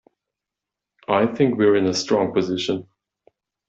I think we’re in a strong position